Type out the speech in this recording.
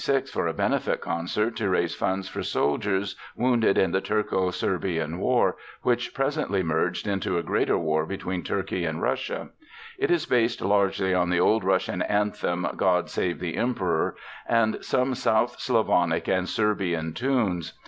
] The Marche Slave was written in 1876 for a benefit concert to raise funds for soldiers wounded in the Turko Serbian war, which presently merged into a greater war between Turkey and Russia. It is based largely on the old Russian anthem, "God Save the Emperor," and some South Slavonic and Serbian tunes.